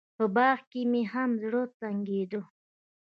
په باغ کښې مې هم زړه تنګېده.